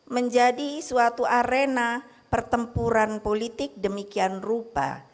menjadi suatu arena pertempuran politik demikian rupa